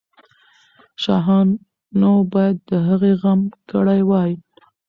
شاهانو باید د هغې غم کړی وای.